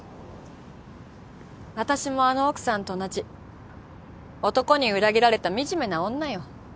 私もあの奥さんと同じ男に裏切られた惨めな女よ。